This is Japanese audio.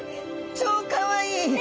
超かわいい！